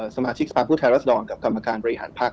สมาชิกสภาพผู้แทนรัศดรกับกรรมการบริหารภักดิ